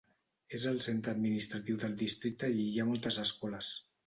És el centre administratiu del districte i hi ha moltes escoles.